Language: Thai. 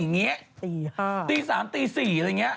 ตี๕ตี๓ตี๔อะไรแบบนี้